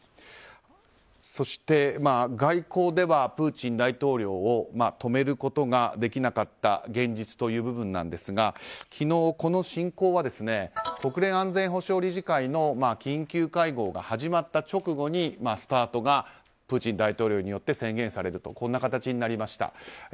そして、外交ではプーチン大統領を止めることができなかった現実という部分なんですが昨日、この侵攻は国連安全保障理事会の緊急会合が始まった直後に、スタートがプーチン大統領によって宣言されるという形になりました。